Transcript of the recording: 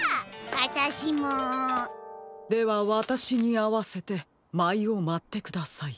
あたしも！ではわたしにあわせてまいをまってください。